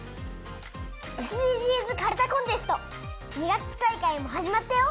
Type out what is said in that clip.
ＳＤＧｓかるたコンテスト２学期大会もはじまったよ。